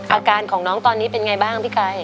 อาการของน้องตอนนี้เป็นไงบ้างพี่ไก่